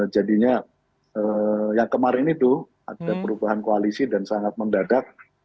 jadinya yang kemarin itu ada perubahan koalisi dan sangat mendadak